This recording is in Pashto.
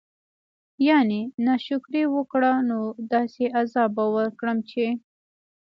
يعني نا شکري وکړه نو داسي عذاب به ورکړم چې